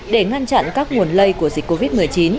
để ngăn chặn các nguồn lây của dịch covid một mươi chín